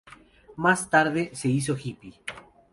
Más tarde, se hizo hippie.